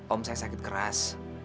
om saya sakit keras